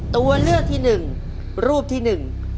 ตัวเลือกที่หนึ่งรูปที่หนึ่ง